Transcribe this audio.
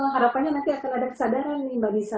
harapannya nanti akan ada kesadaran mbak nisa